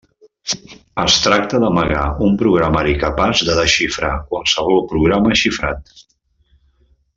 Es tracta d'amagar un programari capaç de desxifrar qualsevol programa xifrat.